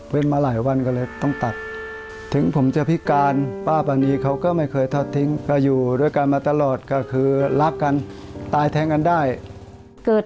ไปมาหลายวันก็เลยต้องตัด